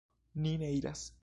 Ni ne iras.